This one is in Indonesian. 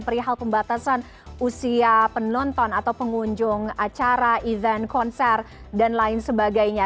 perihal pembatasan usia penonton atau pengunjung acara event konser dan lain sebagainya